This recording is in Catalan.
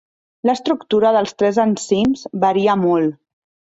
L'estructura dels tres enzims varia molt.